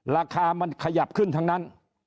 ราคามันขยับขึ้นทั้งนั้น